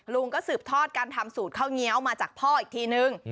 ลุงก็สืบทอดการทำสูตรข้าวเงี้ยวมาจากพ่ออีกทีนึง